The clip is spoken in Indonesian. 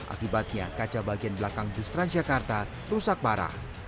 akibatnya kaca bagian belakang bustrans jakarta rusak parah